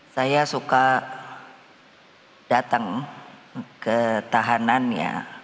saya suka datang ke tahanannya